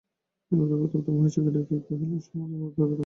এবারেও প্রতাপাদিত্য মহিষীকে ডাকিয়া কহিলেন, সুরমাকে বাপের বাড়ি পাঠাও।